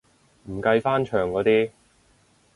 唔計翻牆嗰啲